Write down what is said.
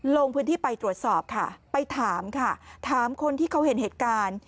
ลงพื้นที่ไปตรวจสอบค่ะไปถามค่ะถามคนที่เขาเห็นเหตุการณ์